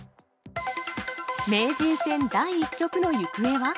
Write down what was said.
名人戦第１局の行方は？